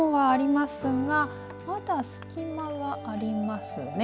雲はありますがまだ隙間はありますね。